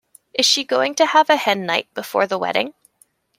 Is she going to have a hen night before the wedding?